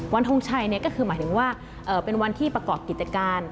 ทงชัยก็คือหมายถึงว่าเป็นวันที่ประกอบกิจการ